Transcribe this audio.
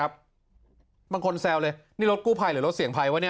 บางคนแซวเลยรถกู้ภัยหรือรถเสียงภัยว่านี้